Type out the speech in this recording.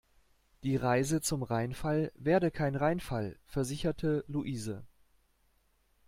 Die Reise zum Rheinfall werde kein Reinfall, versicherte Louise.